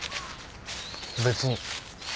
別に。